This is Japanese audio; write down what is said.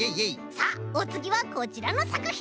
さあおつぎはこちらのさくひん！